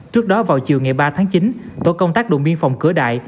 trước đó vào chiều ngày ba tháng chín tổ công tác đồn biên phòng cửa đại